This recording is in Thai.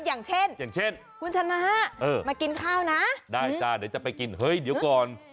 อย่างเช่นคุณชนะมากินข้าวนะได้เดี๋ยวจะไปกินเฮ้ยเดี๋ยวก่อน